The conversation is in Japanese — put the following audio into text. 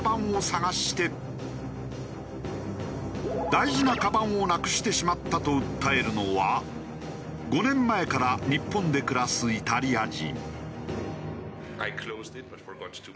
「大事なカバンをなくしてしまった」と訴えるのは５年前から日本で暮らすイタリア人。